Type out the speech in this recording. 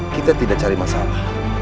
kita tidak cari masalah